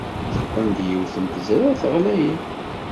Teqqen-d yiwet n tezrart ɣlayen.